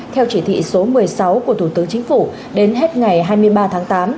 theo chỉ thị số một mươi sáu của thủ tướng chính phủ đến hết ngày hai mươi ba tháng tám